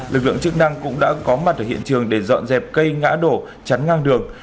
lực lượng chức năng cũng đã có mặt ở hiện trường để dọn dẹp cây ngã đổ chắn ngang đường